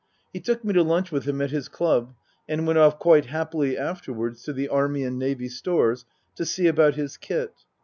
He took me to lunch with him at his club, and went off quite happily afterwards to the Army and Navy Stores to see about his kit.